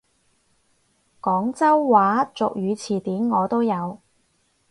廣州話俗語詞典我都有！